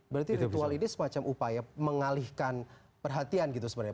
berarti ritual ini semacam upaya mengalihkan perhatian gitu sebenarnya